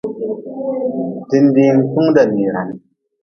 Dindiin tung da niran.